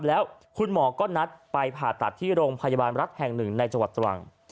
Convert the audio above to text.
แล้วคุณหมอก็นัดไปผ่าตัดที่โรงพยาบาลรัฐแห่งหนึ่งในจังหวัดตรัง